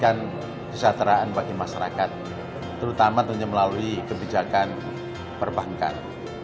kami ingin bisa mewujudkan kesejahteraan bagi masyarakat terutama melalui kebijakan perbankan